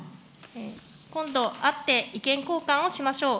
今度、会って、意見交換をしましょう。